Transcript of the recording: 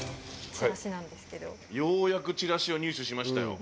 ようやくチラシを入手しましたよ。